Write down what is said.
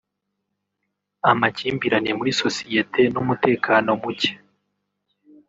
amakimbirane muri sosiyete n’umutekano mucye